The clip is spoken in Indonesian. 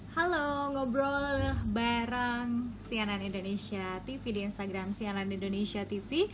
halo ngobrol bareng cnn indonesia tv di instagram sianan indonesia tv